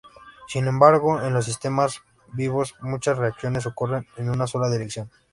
Sin embargo en los sistemas vivos muchas reacciones ocurren en una sola dirección.